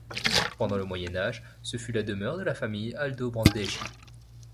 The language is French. Pendant le Moyen Âge, ce fut la demeure de la famille Aldobrandeschi.